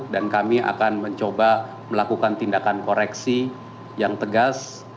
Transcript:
dan kami akan mencoba melakukan tindakan koreksi yang tegas